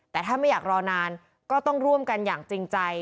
แต่ถ้าไม่อยากรอนานก็ต้องร่วมกันอย่างจริงใจ